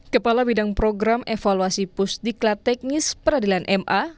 kepala bidang program evaluasi pusdiklat teknis peradilan ma